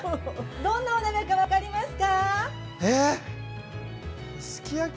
◆どんなものか分かりますか？